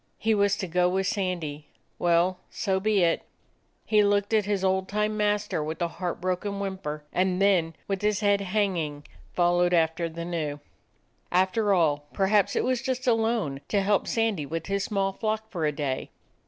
He was to go with Sandy. Well, so be it. He looked at his old time master with a heart broken 94 A DOG OF THE ETTRICK HILLS whimper, and then, with his head hanging, followed after the new. After all, perhaps it was just a loan, to help Sandy with his small flock for a day.